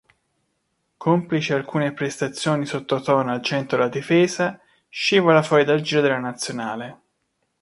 Complici alcune prestazioni sottotono al centro della difesa, scivola fuori dal giro della nazionale.